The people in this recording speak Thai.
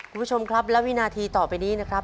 คุณผู้ชมครับและวินาทีต่อไปนี้นะครับ